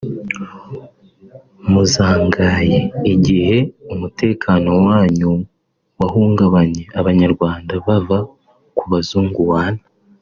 muzangaye igihe umutekano wanyu wahungabanye (abanyarwanda) va ku bazungu wana